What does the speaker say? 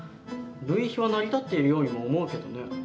類比は成り立っているようにも思うけどね。